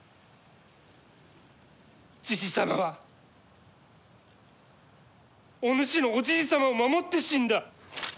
じじ様はお主のおじい様を守って死んだ。